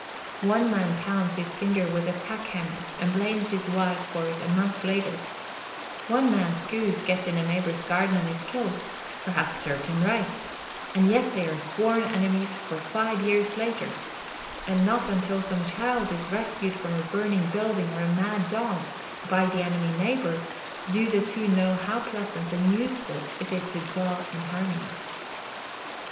One man pounds his finger with a tack hammer and blames his wife for it a month later; one man's goose gets in a neighbor's garden and is killed perhaps served him right and yet they are sworn enemies for five years later; and not until some child is rescued from a burning building or a mad dog, by the enemy neighbor do the two know how pleasant and useful it is to dwell in harmony.